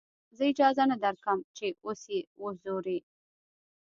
زه اجازه نه درکم چې اوس يې وځورې.